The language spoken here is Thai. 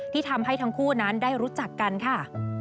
ที่ทำให้ทั้งคู่นั้นได้รู้จักกันค่ะ